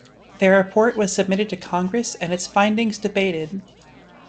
Their report was submitted to Congress and its findings debated.